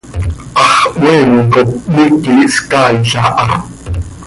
Hax hoeen cop miiqui hscaail aha.